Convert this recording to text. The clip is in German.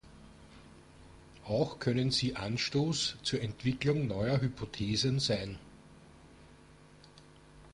Auch können sie Anstoß zur Entwicklung neuer Hypothesen sein.